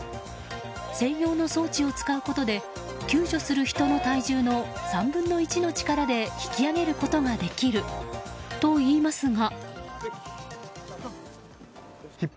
専用の装置を使うことで救助する人の体重の３分の１の力で引き上げることができるといいますが。